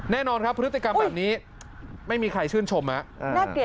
แน่นอนครับพฤติกรรมแบบนี้ไม่มีใครชื่นชมอ่ะน่าเกลียดครับ